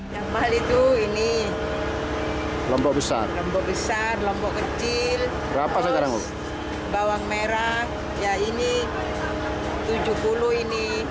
yang mahal itu ini lombok besar lombok kecil bawang merah tujuh puluh ini